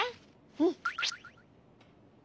うん！